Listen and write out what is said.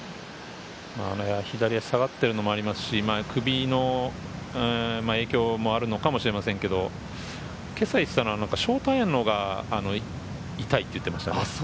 左足が下がってるのもありますし、首の影響もあるのかもしれませんけど、今朝、言っていたのはショートアイアンのが痛いと言っていましたね。